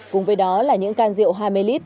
cùng với đó là những can rượu hai mươi lít